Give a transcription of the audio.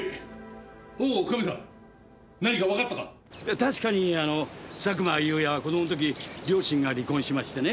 確かにあの佐久間有也は子供の時両親が離婚しましてね。